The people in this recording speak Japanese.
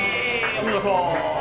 お見事！